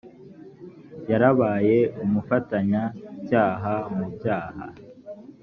yarabaye umufatanyacyaha mu byaha